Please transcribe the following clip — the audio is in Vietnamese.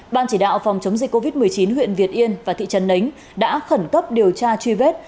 ban chỉ đạo phòng chống dịch covid một mươi chín huyện việt yên và thị trấn nánh đã khẩn cấp điều tra truy vết